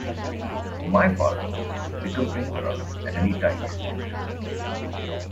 My father could become emperor at any time if he wanted to.